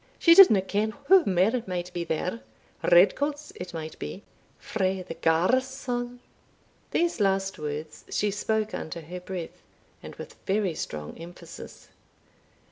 She didna ken wha mair might be there red coats, it might be, frae the garrison." (These last words she spoke under her breath, and with very strong emphasis.)